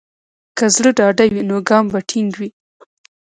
که زړه ډاډه وي، نو ګام به ټینګ وي.